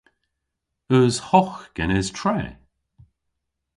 Eus hogh genes tre?